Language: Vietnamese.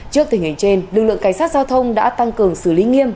trước tình hình trên lực lượng cảnh sát giao thông đã tăng cường xử lý nghiêm